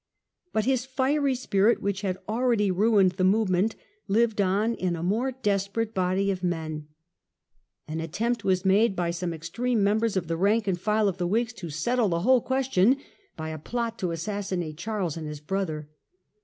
But his fiery spirit, which had already ruined the move ment, lived on in a more desperate body of men. An The Rye attempt was made by some extreme members House Plot, of the rank and file of the Whigs to settle the June, X683. whole question by a plot to assassinate Charles and his brother.